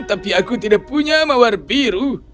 tapi aku tidak punya mawar biru